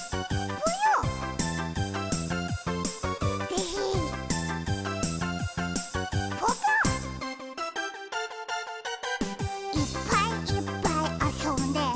ぽぽ「いっぱいいっぱいあそんで」